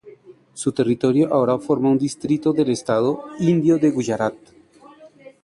Su territorio ahora forma un distrito del estado indio de Guyarat.